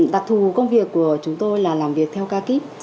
đặc thù công việc của chúng tôi là làm việc theo ca kíp